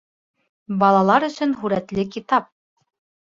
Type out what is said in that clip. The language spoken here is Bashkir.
Балалар өсөн һүрәтле китап